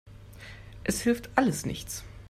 Es hilft alles nichts.